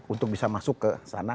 untuk bisa masuk ke sana